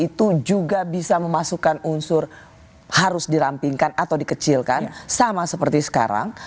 itu juga bisa memasukkan unsur harus dirampingkan atau dikecilkan sama seperti sekarang